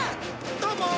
どうも！